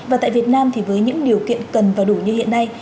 và tại việt nam thì với những điều kiện cần và đủ như hiện nay